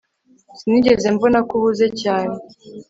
Sinigeze mbona ko uhuze cyane